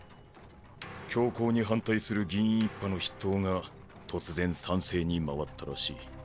強硬に反対する議員一派の筆頭が突然賛成に回ったらしい。